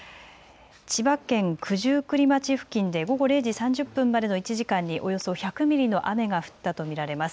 千葉県九十九里町付近で午後０時３０分までの１時間におよそ１００ミリの雨が降ったと見られます。